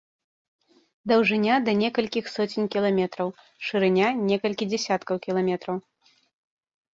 Даўжыня да некалькіх соцень кіламетраў, шырыня некалькі дзясяткаў кіламетраў.